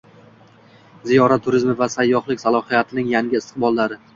Ziyorat turizmi va sayyohlik salohiyatining yangi istiqbollari